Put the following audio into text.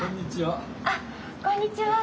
あっこんにちは。